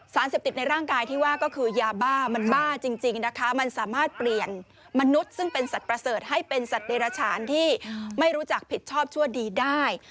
สารเสพติดในร่างกายที่ว่าก็คือยาบ้ามันบ้าจริงนะคะมันสามารถเปลี่ยนมนุษย์ซึ่งเป็นสัตว์ประเสริฐให้เป็นสัตว์เดรฉานที่ไม่รู้จักผิดชอบชั่วดีได้